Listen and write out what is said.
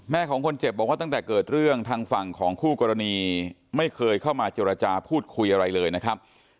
ของคนเจ็บบอกว่าตั้งแต่เกิดเรื่องทางฝั่งของคู่กรณีไม่เคยเข้ามาเจรจาพูดคุยอะไรเลยนะครับ